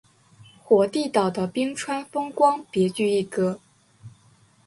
火地岛的冰川风光别具一格。